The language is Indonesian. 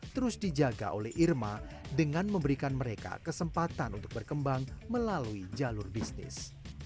terus dijaga oleh irma dengan memberikan mereka kesempatan untuk berkembang melalui jalur bisnis